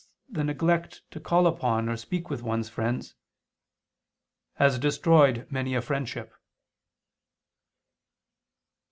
the neglect to call upon or speak with one's friends, "has destroyed many a friendship."